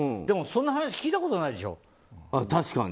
でもそんな話聞いたことないでしょ。